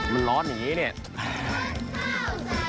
มันร้อนอย่างนี้เนี่ย